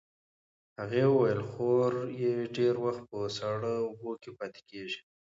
هغې وویل خور یې ډېر وخت په ساړه اوبو کې پاتې کېږي.